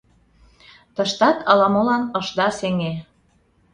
Тыштат ала-молан ышда сеҥе.